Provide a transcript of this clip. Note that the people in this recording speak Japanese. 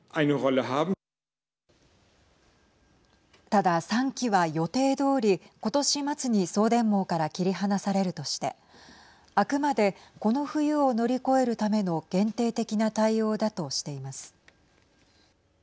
ただ、３基は予定どおり今年末に送電網から切り離されるとしてあくまでこの冬を乗り越えるための限定的な対応だとしています。